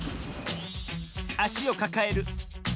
あしをかかえる。